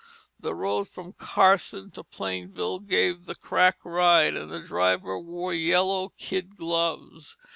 The road from Carson to Plainville gave the crack ride, and the driver wore yellow kid gloves.